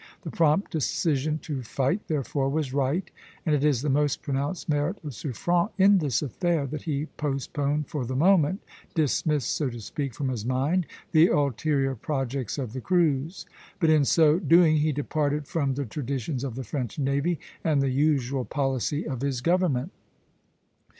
The prompt decision to fight, therefore, was right, and it is the most pronounced merit of Suffren in this affair, that he postponed for the moment dismissed, so to speak, from his mind the ulterior projects of the cruise; but in so doing he departed from the traditions of the French navy and the usual policy of his government.